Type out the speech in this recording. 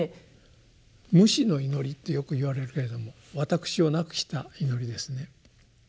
無私の祈りってよく言われるけれども私を無くした祈りですね。